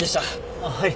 あっはい。